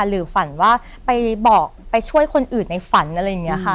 หรือฝันว่าไปบอกไปช่วยคนอื่นในฝันอะไรอย่างนี้ค่ะ